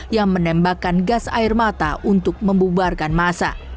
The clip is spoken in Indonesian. yang menembakkan gas air mata untuk membubarkan masa